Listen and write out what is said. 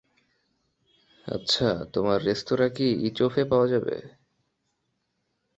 আচ্ছা, তোমার রেস্তোরাঁ কি ইচোফে পাওয়া যাবে?